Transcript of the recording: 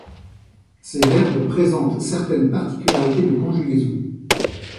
Ces verbes présentent certaines particularités de conjugaison.